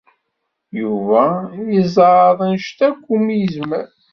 Yuba yezɛeḍ anect akk umi yezmer.